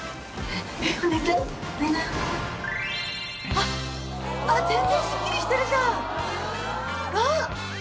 あっ全然すっきりしてるじゃんうわ！